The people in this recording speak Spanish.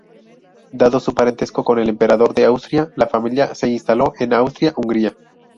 Dado su parentesco con el Emperador de Austria, la familia se instaló en Austria-Hungría.